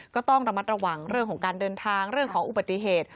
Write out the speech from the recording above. ก็ต้องระมัดระวังเรื่องของการเดินทางเรื่องของอุบัติเหตุ